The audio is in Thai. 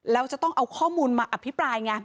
แล้วจะต้องเอาข้อมูลมาอภิปรายไง